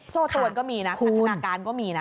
โซ่ตัวนก็มีนะขนาดการณ์ก็มีนะ